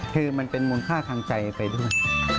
คือมันเป็นมูลค่าทางใจไปด้วย